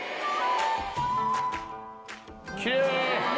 きれい！